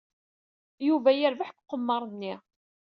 Yuba yerbeḥ deg uqemmer-nni.